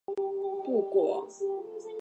后来他向三鹿集团和县工商局交涉不果。